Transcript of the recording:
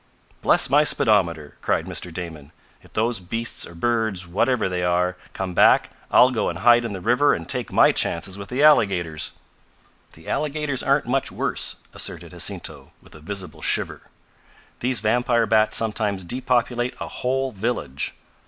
"Bless my speedometer!" cried Mr. Damon, "If those beasts or birds whatever they are come back I'll go and hide in the river and take my chances with the alligators!" "The alligators aren't much worse," asserted Jacinto with a visible shiver. "These vampire bats sometimes depopulate a whole village."